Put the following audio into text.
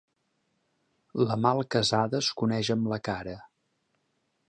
La mal casada es coneix amb la cara.